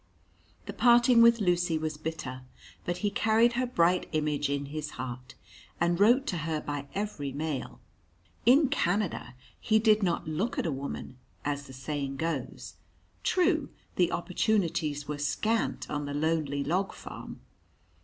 The parting with Lucy was bitter, but he carried her bright image in his heart, and wrote to her by every mail. In Canada he did not look at a woman, as the saying goes; true, the opportunities were scant on the lonely log farm.